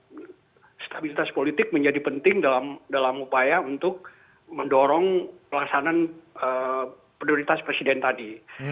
nah stabilitas politik menjadi penting dalam upaya untuk mendorong pelaksanaan prioritas presiden tadi